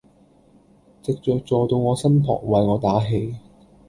藉著坐到我身旁為我打氣